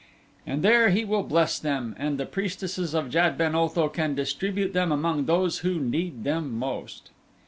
And there he will bless them and the priestesses of Jad ben Otho can distribute them among those who need them most."